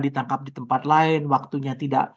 ditangkap di tempat lain waktunya tidak